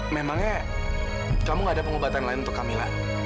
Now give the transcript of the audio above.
memangnya kamu tidak ada pengobatan lain untuk kamila